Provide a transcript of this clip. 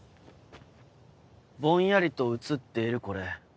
ぼんやりと写っているこれ。